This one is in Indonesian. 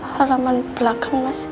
halaman belakang mas